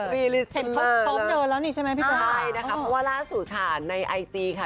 เพราะว่าร่านสูตรฐานในไอจีค่ะ